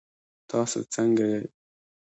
تاسو څنګه یئ؟